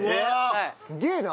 すげえな。